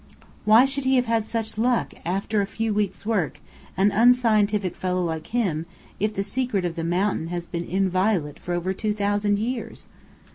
"Why should he have had such luck, after a few weeks' work, an unscientific fellow like him, if the secret of the mountain has been inviolate for over two thousand years?"